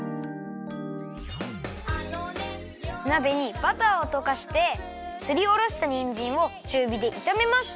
なべにバターをとかしてすりおろしたにんじんをちゅうびでいためます。